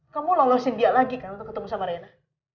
kamu lolosin dia lagi kan untuk ketemu sama rena